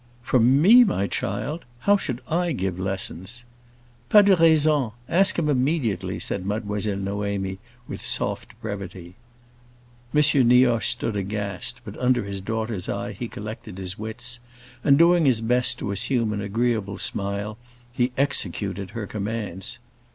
"From me, my child? How should I give lessons?" "Pas de raisons! Ask him immediately!" said Mademoiselle Noémie, with soft brevity. M. Nioche stood aghast, but under his daughter's eye he collected his wits, and, doing his best to assume an agreeable smile, he executed her commands.